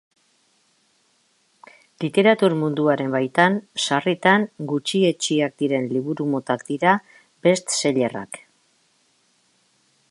Literatur munduaren baitan sarritan gutxietsiak diren liburu motak dira best-seller-ak.